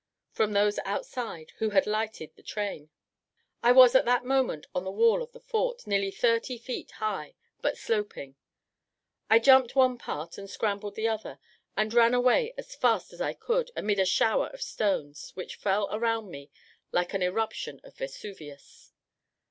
from those outside who had lighted the train. I was at that moment on the wall of the fort, nearly thirty feet high, but sloping. I jumped one part, and scrambled the other, and ran away as fast as I could, amidst a shower of stones, which fell around me like an eruption of Vesuvius.